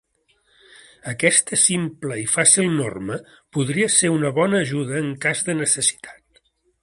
Aquesta simple i fàcil norma podria ser una bona ajuda en cas de necessitat.